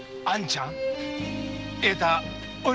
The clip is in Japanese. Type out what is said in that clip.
あんちゃん！